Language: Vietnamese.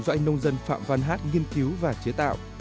do anh nông dân phạm văn hát nghiên cứu và chế tạo